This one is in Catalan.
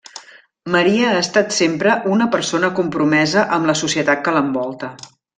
Maria ha estat sempre una persona compromesa amb la societat que l'envolta.